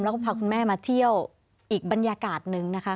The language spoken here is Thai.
แล้วก็พาคุณแม่มาเที่ยวอีกบรรยากาศนึงนะคะ